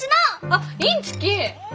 あっインチキ！